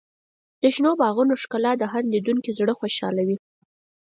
د شنو باغونو ښکلا د هر لیدونکي زړه خوشحالوي.